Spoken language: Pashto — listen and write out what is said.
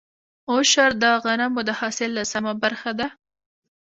عشر د غنمو د حاصل لسمه برخه ده.